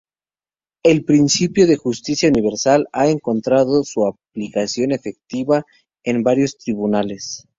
El Principio de Justicia Universal ha encontrado su aplicación efectiva en varios Tribunales.